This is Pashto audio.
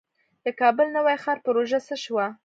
د کابل نوی ښار پروژه څه شوه؟